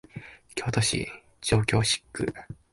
京都市上京区